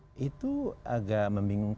menurut saya itu agak membingungkan juga